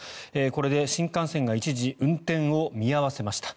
これで新幹線が一時、運転を見合わせました。